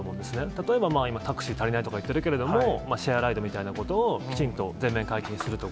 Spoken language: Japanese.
例えば、今、タクシー足りないとか言っているけれども、シェアライドみたいなことも、きちんと全面解禁するとか。